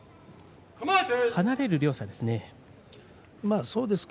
離れる両者ですね。